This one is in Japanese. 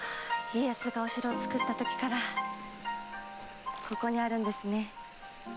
家康がお城を造ったときからここにあるんですね。